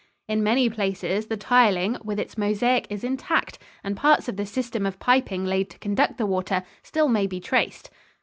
In many places the tiling with its mosaic is intact, and parts of the system of piping laid to conduct the water still may be traced.